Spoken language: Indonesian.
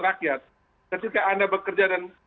rakyat ketika anda bekerja dan